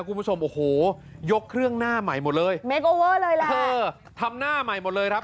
คุณผู้ชมโอ้โหยกเครื่องหน้าใหม่หมดเลยเมคโอเวอร์เลยล่ะเออทำหน้าใหม่หมดเลยครับ